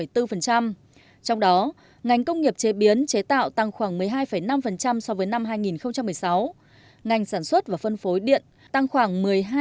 trong đó ngành công nghiệp chế biến chế tạo tăng khoảng một mươi hai năm so với năm hai nghìn một mươi sáu ngành sản xuất và phân phối điện tăng khoảng một mươi hai